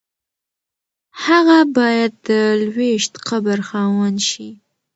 هغه باید د لویشت قبر خاوند شي.